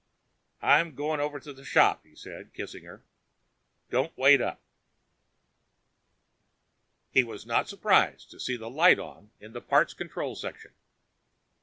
"I'm going over to the shop," he said, kissing her. "Don't wait up." He was not surprised to see the light on in the parts control section.